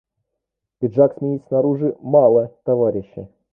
Пиджак сменить снаружи — мало, товарищи!